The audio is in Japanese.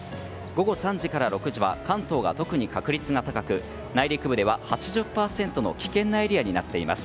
午後３時から６時は関東が特に確率が高く内陸部では８０％の危険なエリアになっています。